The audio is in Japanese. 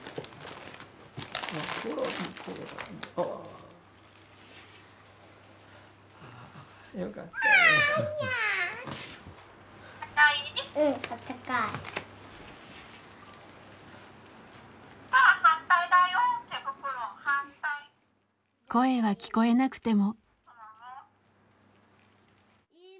声は聞こえなくても。